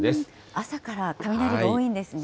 朝から雷が多いんですね。